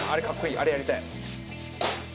あれやりたい。